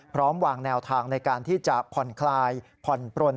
พร้อมวางแนวทางในการที่จะผ่อนคลายผ่อนปลน